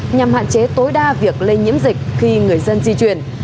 nhằm hạn chế tối đa việc lây nhiễm dịch khi người dân di chuyển